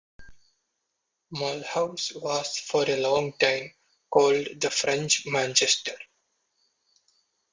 Mulhouse was for a long time called the French Manchester.